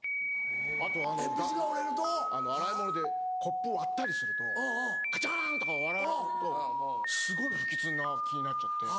あと洗い物でコップを割ったりするとカチャン！とか割られるとすごい不吉な気になっちゃって。